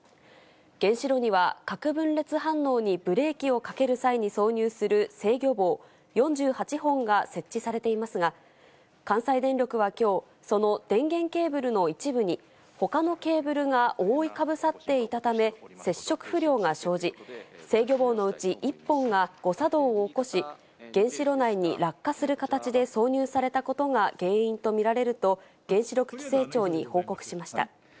原子炉には核分裂反応にブレーキをかける際に挿入する制御棒４８本が設置されていますが、関西電力はきょう、その電源ケーブルの一部に、ほかのケーブルが覆いかぶさっていたため、接触不良が生じ、制御棒のうち１本が誤作動を起こし、原子炉内に落下する形で挿入されたことが原因と見られると、原子力規制庁に報告しました。